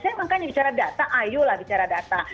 saya makanya bicara data ayolah bicara data